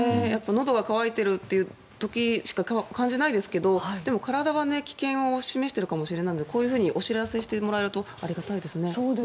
のどが渇いているという時しか感じないですけどでも、体は危険を示しているかもしれないのでこういうふうにお知らせしてもらえるとありがたいですね。